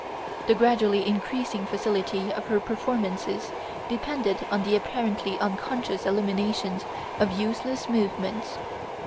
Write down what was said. The gradually increasing facility of her performances depended on the apparently unconscious elimination of useless movements."